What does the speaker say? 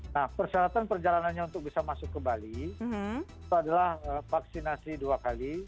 nah persyaratan perjalanannya untuk bisa masuk ke bali itu adalah vaksinasi dua kali